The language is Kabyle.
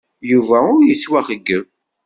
Yuba ur yettwaxeyyab.